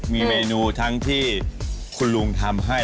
มีเมนูทั้งที่คุณลุงทำให้